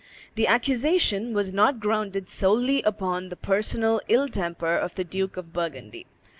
The accusation was not grounded solely upon the personal ill temper of the Duke of Burgundy.